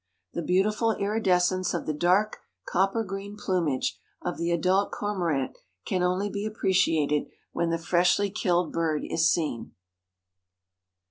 The beautiful iridescence of the dark copper green plumage of the adult Cormorant can only be appreciated when the freshly killed bird is seen."